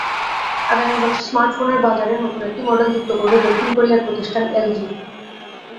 আগামী বছর স্মার্টফোনের বাজারে নতুন একটি মডেল যুক্ত করবে দক্ষিণ কোরিয়ার প্রতিষ্ঠান এলজি।